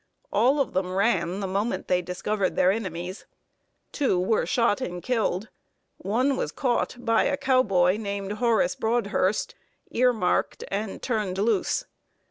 All of them ran the moment they discovered their enemies. Two were shot and killed. One was caught by a cowboy named Horace Brodhurst, ear marked, and turned loose.